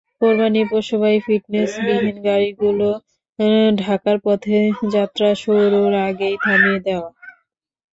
কোরবানির পশুবাহী ফিটনেসবিহীন গাড়িগুলো ঢাকার পথে যাত্রা শুরুর আগেই থামিয়ে দেওয়া।